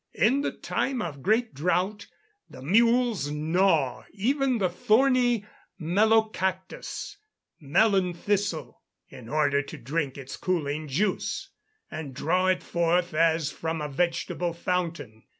In the time of great drought, the mules gnaw even the thorny melocactus (melon thistle), in order to drink its cooling juice, and draw it forth as from a vegetable fountain.